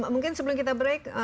mungkin sebelum kita break